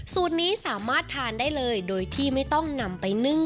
นี้สามารถทานได้เลยโดยที่ไม่ต้องนำไปนึ่ง